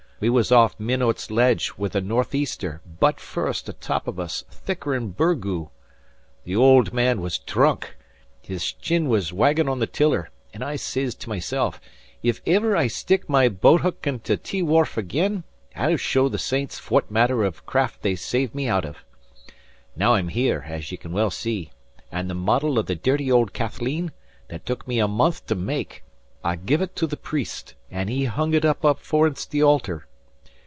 We was off Minot's Ledge wid a northeaster, butt first, atop of us, thicker'n burgoo. The ould man was dhrunk, his chin waggin' on the tiller, an' I sez to myself, 'If iver I stick my boat huk into T wharf again, I'll show the saints fwhat manner o' craft they saved me out av.' Now, I'm here, as ye can well see, an' the model of the dhirty ould Kathleen, that took me a month to make, I gave ut to the priest, an' he hung ut up forninst the altar.